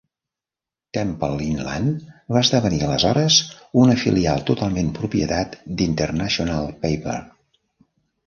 Temple-Inland va esdevenir aleshores una filial totalment propietat d'International Paper.